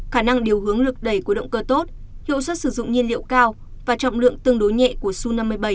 khả năng điều hướng lực đầy của động cơ tốt hiệu suất sử dụng nhiên liệu cao và trọng lượng tương đối nhẹ của su năm mươi bảy